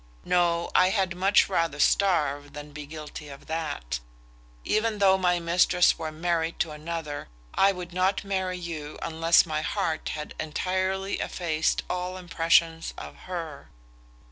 No; I had much rather starve than be guilty of that. Even though my mistress were married to another, I would not marry you unless my heart had entirely effaced all impressions of her.